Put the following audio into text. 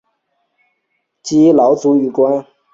积劳卒于官。